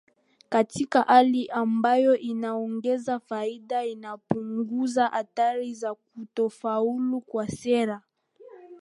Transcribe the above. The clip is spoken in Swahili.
katika hali ambayo inaongeza faida inapunguza hatari za kutofaulu kwa sera